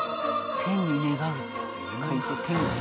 「天に願う」と書いて天願さん。